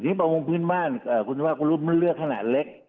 นี่ประมงพื้นบ้านคุณภาพก็รู้มันเรือขนาดเล็ก